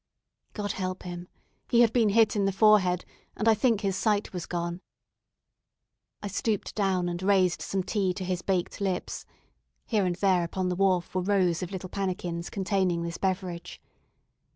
God help him! He had been hit in the forehead, and I think his sight was gone. I stooped down, and raised some tea to his baked lips (here and there upon the wharf were rows of little pannikins containing this beverage).